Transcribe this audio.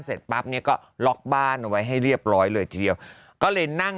เสร็จปั๊บเนี่ยก็ล็อกบ้านเอาไว้ให้เรียบร้อยเลยทีเดียวก็เลยนั่ง